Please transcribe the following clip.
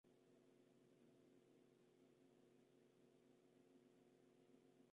Al día siguiente de su llegada, se consumó su matrimonio.